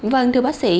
vâng thưa bác sĩ